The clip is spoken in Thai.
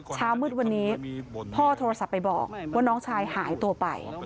เช้ามืดวันนี้พ่อโทรศัพท์ไปบอกว่าน้องชายหายตัวไป